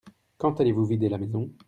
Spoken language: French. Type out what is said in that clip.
Quand allez-vous vider la maison ?